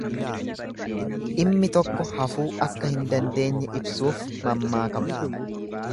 Dhimmi tokko hafuu akka hin dandeenye ibsuuf mammaakama.